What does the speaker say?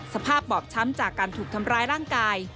สภาพบอบช้ำจากการถูกทำร้ายร่างกาย